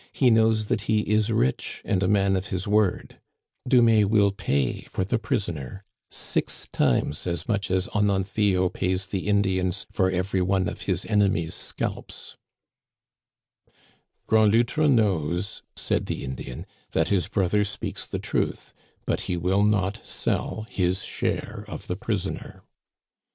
"He knows that he is rich and a man of his word. Dumais will pay for the prisoner six times as much as Ononthio pays the Indians for every one of his enemies' scalps." "Grand Loutre knows," said the Indian, "that his Digitized by VjOOQIC igo THE CANADIANS OF OLD. brother speaks the truth, but he will not sell his share of the prisoner."